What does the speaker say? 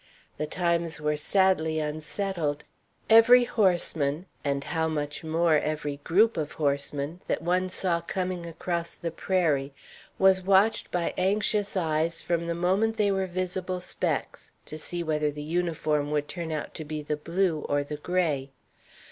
The times were sadly unsettled. Every horseman, and how much more every group of horsemen, that one saw coming across the prairie, was watched by anxious eyes, from the moment they were visible specks, to see whether the uniform would turn out to be the blue or the gray.